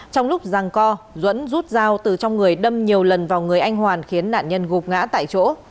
trong lúc rằng co duẫn rút dao từ trong người đâm nhiều lần vào người anh hoàn khiến nạn nhân gục ngã tại chỗ